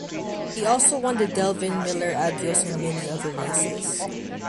He also won the Delvin Miller Adios and many other races.